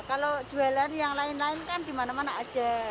kalau jualan yang lain lain kan dimana mana aja